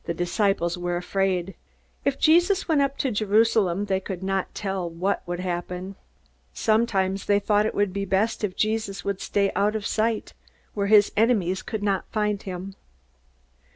The disciples were afraid. If Jesus went up to Jerusalem, they could not tell what would happen. Sometimes they thought it would be best if Jesus would stay out of sight where his enemies could not find him.